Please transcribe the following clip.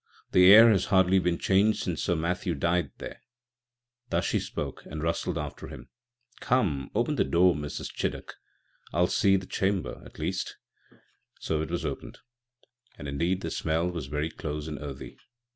The air has hardly been changed since Sir Matthew died there." Thus she spoke, and rustled after him. "Come, open the door, Mrs. Chiddock. I'll see the chamber, at least." So it was opened, and, indeed, the smell was very close and earthy.